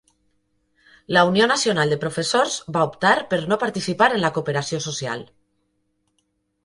La Unió Nacional de Professors va optar per no participar en la cooperació social.